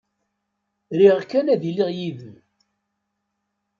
Riɣ kan ad iliɣ yid-m.